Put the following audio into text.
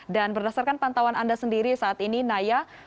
dan berdasarkan pantauan anda sendiri saat ini naya